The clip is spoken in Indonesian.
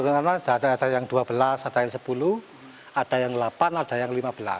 karena ada yang dua belas ada yang sepuluh ada yang delapan ada yang lima belas